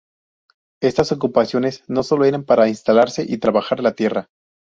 Estas ocupaciones no sólo eran para instalarse y trabajar la tierra.